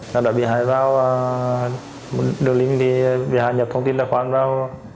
sau đó bì hải vào đường linh thì bì hải nhập thông tin tài khoản vào